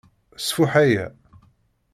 Sfuḥ aya.